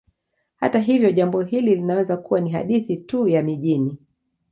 Hata hivyo, jambo hili linaweza kuwa ni hadithi tu ya mijini.